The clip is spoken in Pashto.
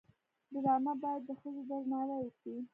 ډرامه باید د ښځو درناوی وکړي